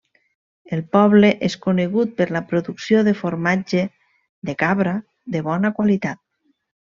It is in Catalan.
El poble és conegut per la producció de formatge de cabra de bona qualitat.